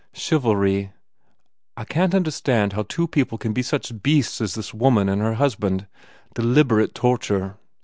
Chiv alry ... I can t understand how two people can be such beasts as this woman and her hus band. ... Deliberate torture.